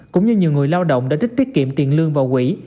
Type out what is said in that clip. cũng như nhiều người lao động đã đích tiết kiệm tiền lương vào quỹ